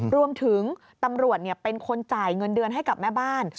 รวมถึงตำรวจเป็นคนจ่ายเงินเดือนให้กับแม่บ้าน